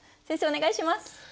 先生お願いします。